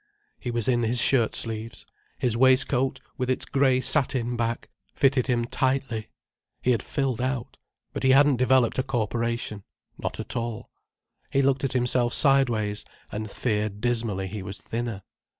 He was in his shirt sleeves. His waistcoat, with its grey satin back, fitted him tightly. He had filled out—but he hadn't developed a corporation. Not at all. He looked at himself sideways, and feared dismally he was thinner.